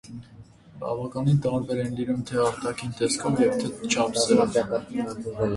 Բավականին տարբեր են լինում թե արտաքին տեսքով, և թե չափսերով։